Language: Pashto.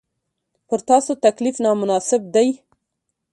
پر تاسو تکلیف نامناسب دی.